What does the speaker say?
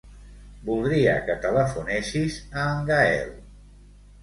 Voldria que telefonessis a en Gaël.